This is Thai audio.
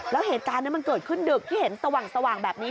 แล้วเหตุการณ์นี้มันเกิดขึ้นดึกที่เห็นสว่างแบบนี้